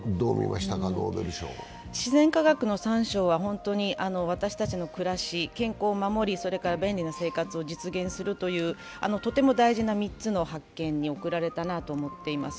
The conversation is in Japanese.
自然科学の３賞は本当に私たちの暮らし、健康を守り、便利な生活を実現するというとても大事な３つの発見に贈られたと思っています。